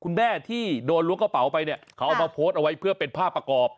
คุณแม่ที่โดนล้วงกระเป๋าไปเนี่ยเขาเอามาโพสต์เอาไว้เพื่อเป็นภาพประกอบ